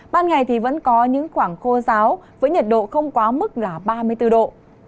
ban ngày vẫn có những khoảng khô ráo với nhiệt độ không quá mức là ba mươi bốn độ